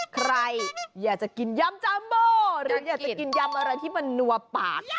ใครอยากจะกินยำจัมโบหรืออยากจะกินยำอะไรที่มันนัวปาก